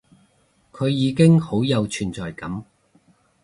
佢已經好有存在感